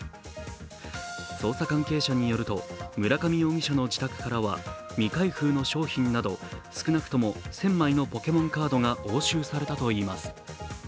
捜査関係者によると村上容疑者の自宅からは未開封の商品など少なくとも１０００枚のポケモンカードが押収されたといいます。